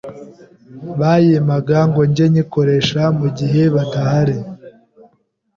bayimpaga ngo jyenyikoresha mu gihe badahari